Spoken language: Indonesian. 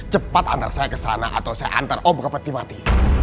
cepat antar saya ke sana atau saya antar oh bukan peti mati